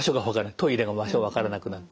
トイレの場所わからなくなったり。